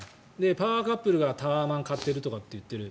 パワーカップルがタワマンを買っているとか言っている。